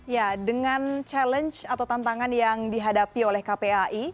ya dengan challenge atau tantangan yang dihadapi oleh kpai